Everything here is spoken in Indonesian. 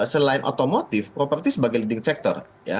selain otomotif properti sebagai leading sector